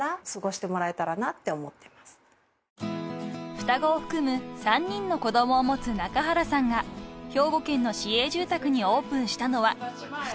［双子を含む３人の子供を持つ中原さんが兵庫県の市営住宅にオープンしたのは「ふたごハウス」］